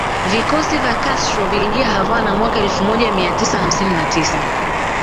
Vikosi vya Castro viliingia Havana mwaka elfu moja mia tisa hamsini na tisa